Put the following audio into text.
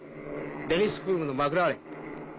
デニスフルムのマクラーレン。